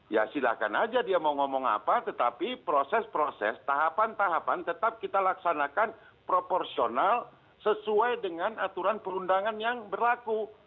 ya silahkan aja dia mau ngomong apa tetapi proses proses tahapan tahapan tetap kita laksanakan proporsional sesuai dengan aturan perundangan yang berlaku